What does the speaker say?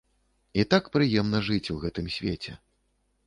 І так прыемна жыць у гэтым свеце.